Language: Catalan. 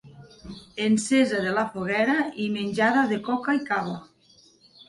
Encesa de la foguera i menjada de coca i cava.